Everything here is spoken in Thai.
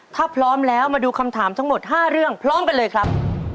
ถ้าพร้อมแล้วมาดูคำถามทั้งหมด๕เรื่องพร้อมกันเลยครับ